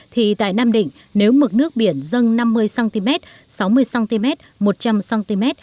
thì tại nam định nếu mực nước biển dâng năm mươi cm sáu mươi cm một trăm linh cm